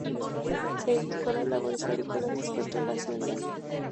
Se dedicó a las labores agrícolas y explotó la hacienda El Cardal en Nancagua.